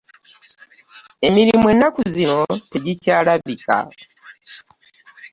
Emirimu enakku zino tegikyalabika.